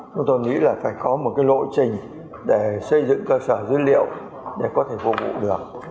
chúng tôi nghĩ là phải có một cái lộ trình để xây dựng cơ sở dữ liệu để có thể phục vụ được